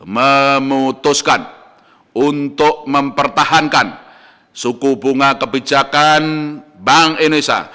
memutuskan untuk mempertahankan suku bunga kebijakan bank indonesia